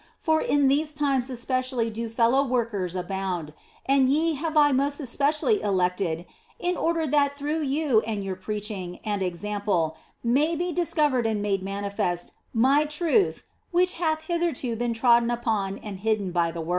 For in these times especially do fellow workers abound, and ye have I most especially elected in order that through you and your preaching and example may be discovered and made manifest My truth which hath hitherto been trodden upon and hidden by the world."